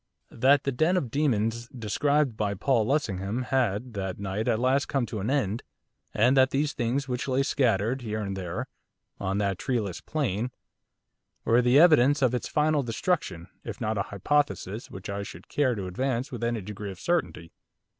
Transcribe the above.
That the den of demons described by Paul Lessingham, had, that night, at last come to an end, and that these things which lay scattered, here and there, on that treeless plain, were the evidences of its final destruction, is not a hypothesis which I should care to advance with any degree of certainty.